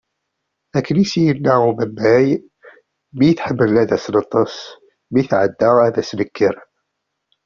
Akken i d as-yenna umemmay, mi d-teḥmel ad as-neṭṭes, mi tɛedda ad as-nekker.